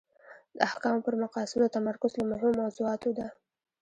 د احکامو پر مقاصدو تمرکز له مهمو موضوعاتو ده.